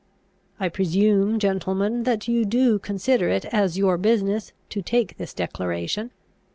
I presume, gentlemen, that you do consider it as your business to take this declaration.